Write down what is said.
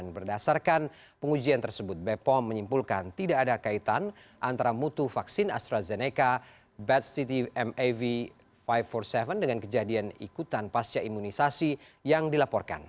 berdasarkan pengujian tersebut bepom menyimpulkan tidak ada kaitan antara mutu vaksin astrazeneca batch citymav lima empat puluh tujuh dengan kejadian ikutan pasca imunisasi yang dilaporkan